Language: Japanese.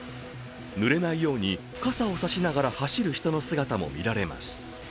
ぬれないように傘を差しながら走る人の姿も見られます。